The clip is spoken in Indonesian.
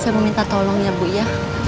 saya mau minta tolong ya bu ya